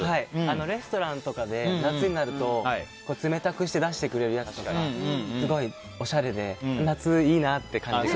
レストランとかで夏になると冷たくして出してくれるやつとかすごいおしゃれで夏いいなって感じです。